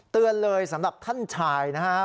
เตือนเลยสำหรับท่านชายนะฮะ